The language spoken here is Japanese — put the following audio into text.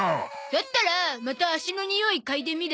だったらまた足のにおい嗅いでみれば？